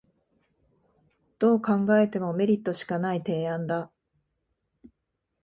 どう考えてもメリットしかない提案だ